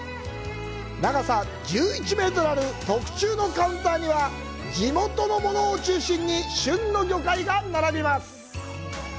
長さ１１メートルある特注のカウンターには地元のものを中心に、旬の魚介が並びます。